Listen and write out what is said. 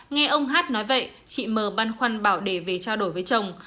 nghe ông hát nói vậy chị mơ băn khoăn bảo để về trao đổi với chồng